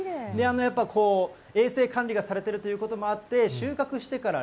やっぱり衛生管理がされてるということもあって、収穫してから